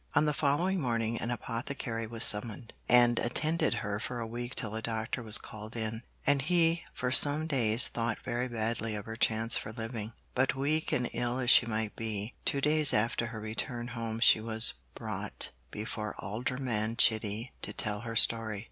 On the following morning an apothecary was summoned, and attended her for a week till a doctor was called in, and he for some days thought very badly of her chance of living. But weak and ill as she might be, two days after her return home she 'was brought' before Alderman Chitty to tell her story.